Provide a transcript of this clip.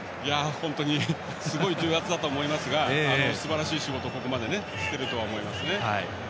すごい重圧だと思いますがすばらしい仕事をここまでしていると思いますね。